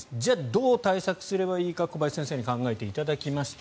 どう対策すればいいか小林先生に考えていただきました。